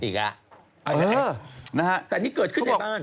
อีกแล้วนะแต่นี่เกิดขึ้นในบ้าน